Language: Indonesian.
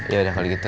yaudah kalau gitu